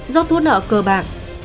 do thuốc nợ cơ bạc